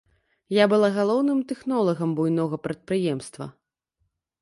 Я была галоўным тэхнолагам буйнога прадпрыемства.